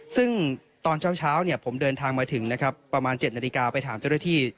ซึ่งตอนเช้าเนี่ยผมเดินทางมาถึงนะครับประมาณ๗นาฬิกาไปถามเจ้าหน้าที่